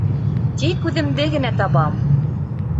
Тик үҙемде генә табам!